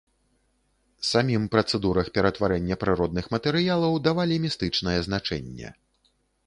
Самім працэдурах ператварэння прыродных матэрыялаў давалі містычнае значэнне.